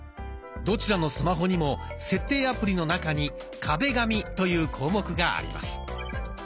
どちらのスマホにも設定アプリの中に「壁紙」という項目があります。